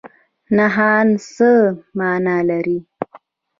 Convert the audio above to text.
نښان څه مانا لري؟